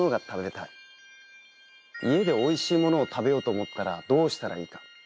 家で美味しいものを食べようと思ったらどうしたらいいか？